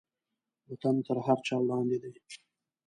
وطن تر هر چا وړاندې دی.